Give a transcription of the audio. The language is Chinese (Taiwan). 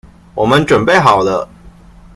我們準備好了